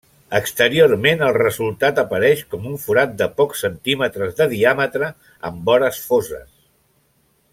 Exteriorment el resultat apareix com un forat de pocs centímetres de diàmetre, amb vores foses.